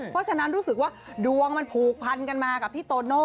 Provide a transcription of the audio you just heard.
เพราะฉะนั้นรู้สึกว่าดวงมันผูกพันกันมากับพี่โตโน่